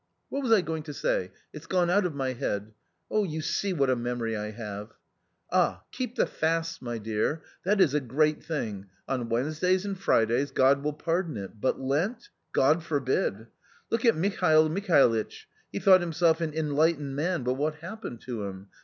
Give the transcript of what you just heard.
What was I going to say? It's gone out of my head. You see what a memory I have. Ah ! keep the fasts, my dear. That is a great thing ! On Wednesdays and Fridays, God will pardon it, but Lent — God forbid ! Look at Mikhailo Mikhailitch, he thought himself an enlightened man, but what happened to him